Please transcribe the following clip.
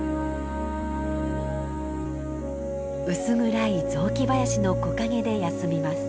薄暗い雑木林の木陰で休みます。